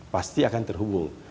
pasti akan terhubung